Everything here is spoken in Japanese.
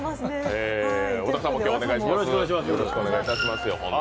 小田さんも今日よろしくお願いします。